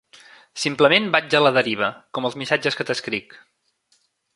Simplement vaig a la deriva com els missatges que t'escric.